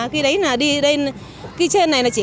khi đấy là đi đây khi trên này là chỉ